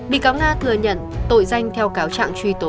bị cáo nga thừa nhận tội danh theo cáo trạng truy tố